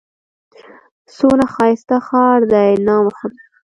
څونه ښايسته ښار دئ! نام خدا!